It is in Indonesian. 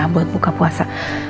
buat buka puasa